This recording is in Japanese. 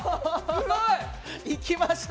すごい！いきました。